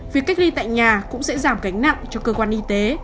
việc cách ly tại nhà cũng sẽ giảm gánh nặng cho cơ quan y tế